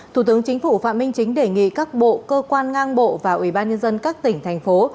thủ tướng chính phủ phạm minh chính đề nghị các bộ cơ quan ngang bộ và ủy ban nhân dân các tỉnh thành phố